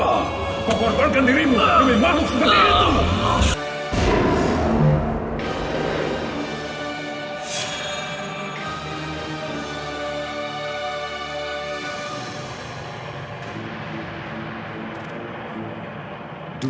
kau mengorbankan dirimu demi makhluk seperti itu